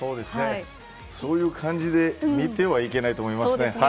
そういう感じで見てはいけないと思いますね。